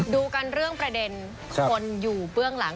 ดูกันเรื่องประเด็นคนอยู่เบื้องหลัง